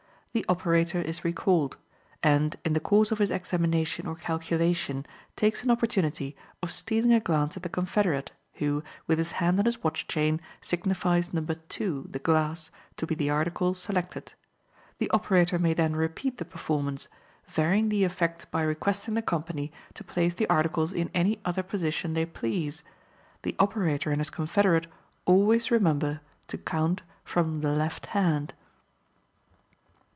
The operator is recalled; and, in the course of his examination or calculation, takes an opportunity of stealing a glance at the confederate, who, with his hand on his watch chain, signifies number two (the glass) to be the article selected. The operator may then repeat the performance, varying the effect by requesting the company to place the articles in any other position they please; the operator and his confederate always remembering to count from the left hand.